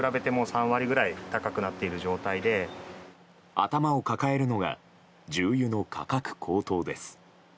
頭を抱えるのが重油の価格高騰です。